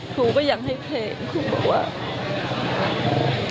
ครูก็ยังให้เพลงครูบอกว่า